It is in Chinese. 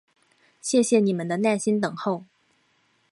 谢谢你们的耐心等候！